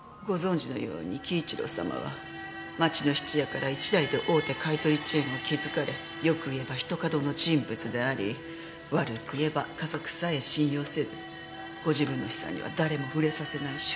ご存じのように輝一郎様は町の質屋から一代で大手買い取りチェーンを築かれよく言えばひとかどの人物であり悪く言えば家族さえ信用せずご自分の資産には誰も触れさせない